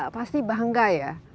pasti bangga ya